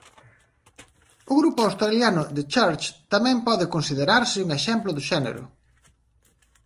O grupo australiano The Church tamén pode considerarse un exemplo do xénero.